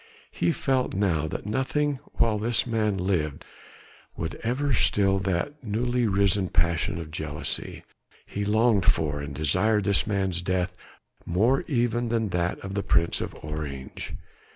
He felt now that nothing while this man lived would ever still that newly risen passion of jealousy. He longed for and desired this man's death more even than that of the Prince of Orange.